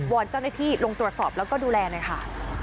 อนเจ้าหน้าที่ลงตรวจสอบแล้วก็ดูแลหน่อยค่ะ